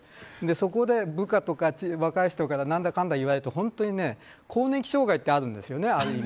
そこで部下とか若い人から何だかんだ言われると、本当に更年期障害ってあるんですよね。